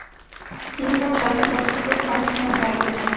তিনি তার জয়কে মজবুত করতে অনেক সময় ব্যয় করেছেন।